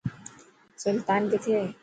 سلطان ڪٿي هي؟